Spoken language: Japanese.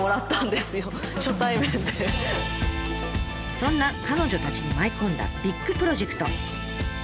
そんな彼女たちに舞い込んだビッグプロジェクト。